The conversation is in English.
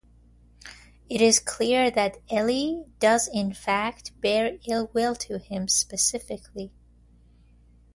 It’s clear that Ellie does in fact bear ill will to him specifically.